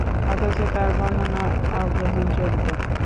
অথচ তার বর্ণনা অগ্রহণযোগ্য।